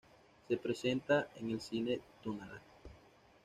Se presenta en el Cine Tonalá.